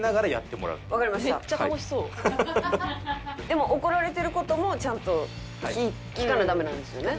でも怒られてる事もちゃんと聞かなダメなんですよね？